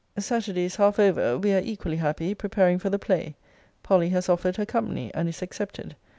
Saturday is half over. We are equally happy preparing for the play. Polly has offered her company, and is accepted.